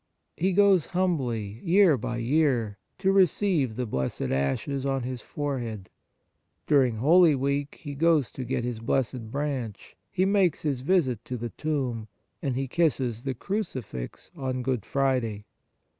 He goes humbly, year by year, to receive the blessed ashes on his forehead. During Holy Week he goes to get his blessed branch, he makes his visit to the Tomb, and he kisses the 4 1 On the Exercises of Piety Crucifix on Good Friday.